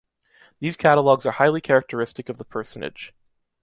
These catalogues are highly characteristic of the personage.